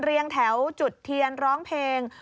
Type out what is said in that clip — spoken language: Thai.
เรียงแถวจุดเทียนร้องเพลง